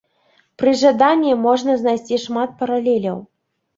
Пры жаданні можна знайсці шмат паралеляў.